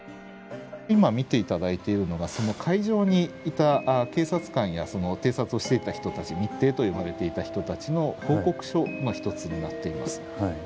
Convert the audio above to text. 今見て頂いているのがその会場にいた警察官やその偵察をしていた人たち密偵と呼ばれていた人たちの報告書の一つになっています。